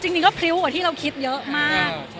จริงก็พริ้วกว่าที่เราคิดเยอะมาก